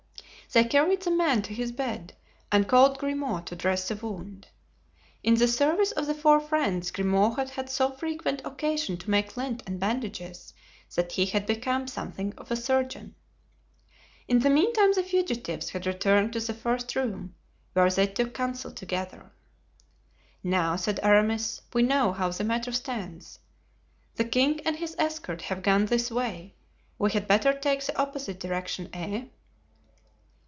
They carried the man to his bed and called Grimaud to dress the wound. In the service of the four friends Grimaud had had so frequent occasion to make lint and bandages that he had become something of a surgeon. In the meantime the fugitives had returned to the first room, where they took counsel together. "Now," said Aramis, "we know how the matter stands. The king and his escort have gone this way; we had better take the opposite direction, eh?"